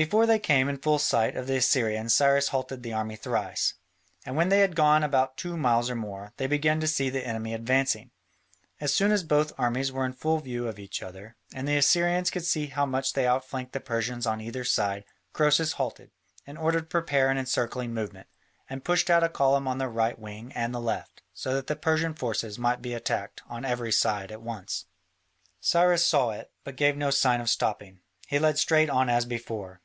Before they came in full sight of the Assyrians Cyrus halted the army thrice. And when they had gone about two miles or more, they began to see the enemy advancing. As soon as both armies were in full view of each other, and the Assyrians could see how much they outflanked the Persians on either side, Croesus halted, in order to prepare an encircling movement, and pushed out a column on the right wing and the left, so that the Persian forces might be attacked on every side at once. Cyrus saw it, but gave no sign of stopping; he led straight on as before.